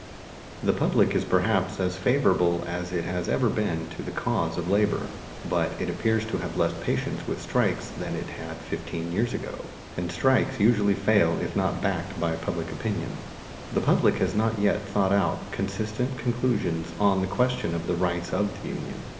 The public is perhaps as favorable as it has ever been to the cause of labor, but it appears to have less patience with strikes than it had fifteen years ago, and strikes usually fail if not backed by public opinion. The public has not as yet thought out consistent conclusions on the question of the rights of the union.